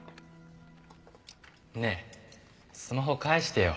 ねえスマホ返してよ。